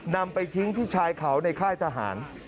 นำไปทิ้งที่ชายเขาในค่ายทหาร